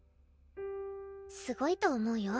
すごいと思うよ。